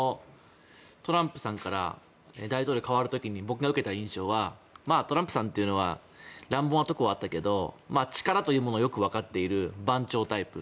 トランプさんから大統領が代わる時に僕が受けた印象はまあ、トランプさんというのは乱暴なところはあったけど力というものをよくわかっている番長タイプ。